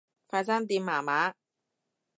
快餐店麻麻